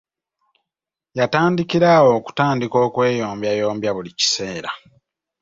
Yatandikira awo okutandika okweyombyayombya buli kiseera.